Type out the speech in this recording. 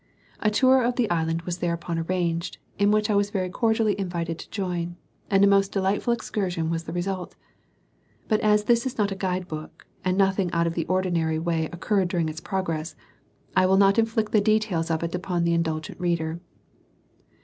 A tour of the island was thereupon arranged, in which I was very cordially invited to join, and a most delightful excursion was the result; but as this is not a guide book, and nothing out of the ordinary way occurred during its progress, I will not inflict the details of it upon the indulgent reader.